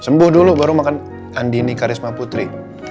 sembuh dulu baru makan andini karisma putri